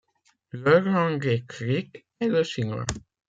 Leur langue écrite est le chinois.